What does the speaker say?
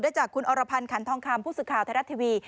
จากคุณอรพันธ์ขันทองคำผู้สื่อข่าวไทยรัฐทีวี